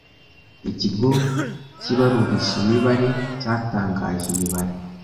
Ikigo cy’ibarurishamibare cyatangaje imibare